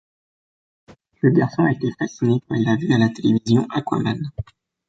Le garçon a été fasciné quand il a vu à la télévision Aquaman.